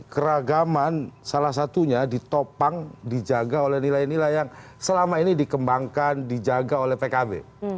keragaman salah satunya ditopang dijaga oleh nilai nilai yang selama ini dikembangkan dijaga oleh pkb